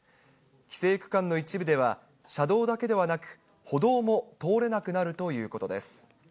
規制区間の一部では、車道だけではなく、歩道も通れなくなるということです。